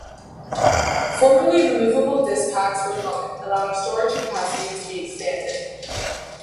Formerly, removable disk packs were common, allowing storage capacity to be expanded.